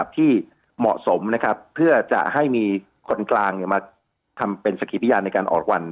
ที่เหมาะสมนะครับเพื่อจะให้มีคนกลางมาทำเป็นสักขีดพิญญาณในการออกรวรรณ